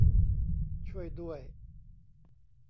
ช่วยด้วย